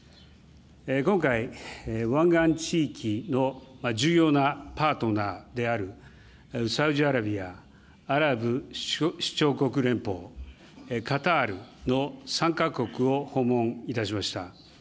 今回、湾岸地域の重要なパートナーであるサウジアラビア、アラブ首長国連邦、カタールの３か国を訪問いたしました。